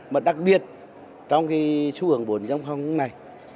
mà đặc biệt trong cái xu hưởng bốn này